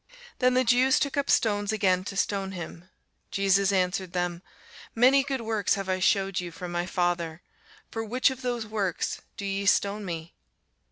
Then the Jews took up stones again to stone him. Jesus answered them, Many good works have I shewed you from my Father; for which of those works do ye stone me?